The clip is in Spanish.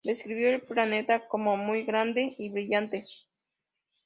Describió el planeta como "muy grande y brillante".